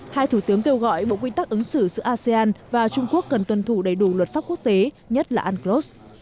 hai thủ tướng kêu gọi bộ quy tắc ứng xử giữa asean và trung quốc cần tuân thủ đầy đủ luật pháp quốc tế nhất là unclos